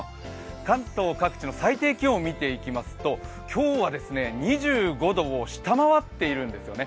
関東各地の最低気温を見ていきますと今日はですね、２５度を下回っているんですよね